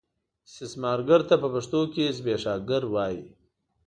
استثمارګر ته په پښتو کې زبېښاکګر وايي.